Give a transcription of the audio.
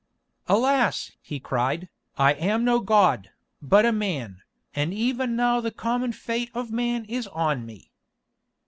"Alas!" he cried, "I am no god, but a man, and even now the common fate of man is on me."